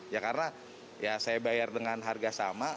ya karena ya saya bayar dengan harga sama